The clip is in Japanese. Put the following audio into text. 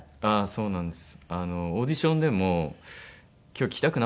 そうなんです。